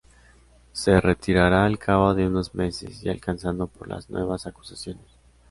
Se retirará al cabo de unos meses, ya alcanzado por las nuevas acusaciones.